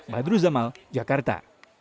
badru zamal jakarta